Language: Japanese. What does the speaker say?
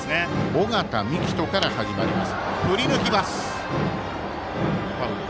尾形樹人から始まります。